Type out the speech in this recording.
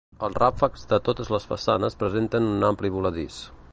Els ràfecs de totes les façanes presenten un ampli voladís.